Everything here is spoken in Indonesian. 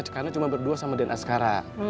sekarang cuma berdua sama den azkara